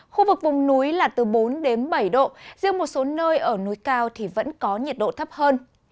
khu vực vùng núi là từ bốn bảy độ riêng một số nơi ở núi cao thì vẫn có nhiệt độ thấp hơn